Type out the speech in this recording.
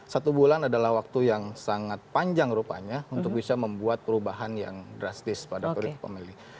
satu bulan adalah waktu yang sangat panjang rupanya untuk bisa membuat perubahan yang drastis pada periode pemilih